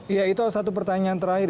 ya itu satu pertanyaan terakhir